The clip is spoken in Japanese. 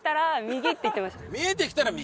見えてきたら右？